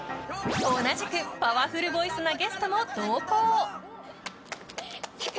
同じくパワフルボイスなゲストも同行！